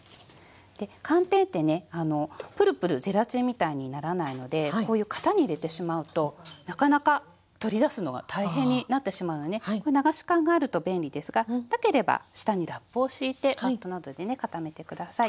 で寒天ってねプルプルゼラチンみたいにならないのでこういう型に入れてしまうとなかなか取り出すのが大変になってしまうので流し函があると便利ですがなければ下にラップを敷いてバットなどでね固めて下さい。